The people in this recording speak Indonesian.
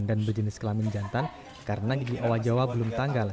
dan berjenis kelamin jantan karena gigi awal jawa belum tanggal